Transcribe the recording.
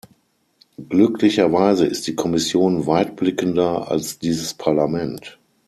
Glücklicherweise ist die Kommission weitblickender als dieses Parlament.